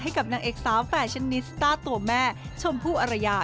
ให้กับนางเอกสาวแฟชั่นนิสต้าตัวแม่ชมพู่อรยา